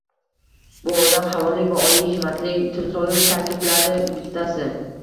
Bu odam halollik va oliyhimmatlilik timsoli, ta`kidladi bittasi